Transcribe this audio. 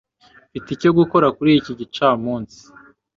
Mfite icyo gukora kuri iki gicamunsi.